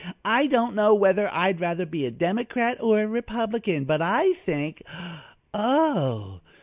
I don't know whether I'd rather be a Democrat or a Republican, but I think oh!